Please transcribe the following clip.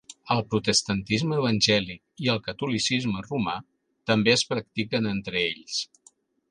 El protestantisme evangèlic i el catolicisme romà també es practiquen entre ells.